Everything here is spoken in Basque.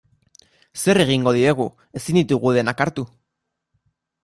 Zer egingo diegu, ezin ditugu denak hartu.